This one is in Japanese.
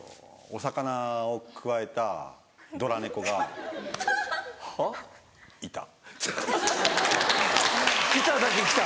「お魚くわえたドラ猫がいた」。